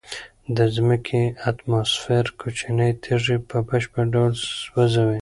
د ځمکې اتموسفیر کوچنۍ تیږې په بشپړ ډول سوځوي.